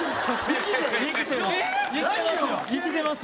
生きてます。